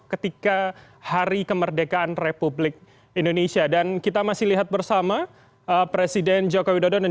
ketika hari kemerdekaan republik indonesia dan kita masih lihat bersama presiden joko widodo dan